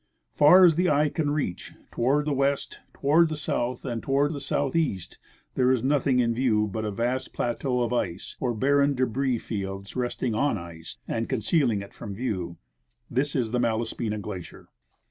Far as the eye can reach ,toAvard the west, toAvard the south, and toward the southeast there is nothing in A'icAV but a vast plateau of ice or barren debris fields resting on ice and concealing it from AdcAV. This is the Malaspina glacier.